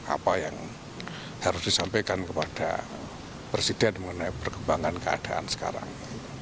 apa yang harus disampaikan kepada presiden mengenai perkembangan keadaan sekarang